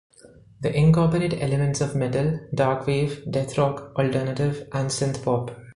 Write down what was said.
They incorporate elements of metal, dark wave, deathrock, alternative and synthpop.